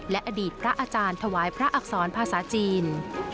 และอดีตพระอาจารย์ถวายพระอักษรภาษาจีน